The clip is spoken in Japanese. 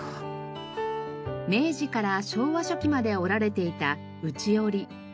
明治から昭和初期まで織られていたうちおり。